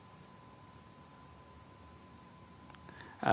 nomor satu konsumennya tidak ada